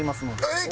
えっ！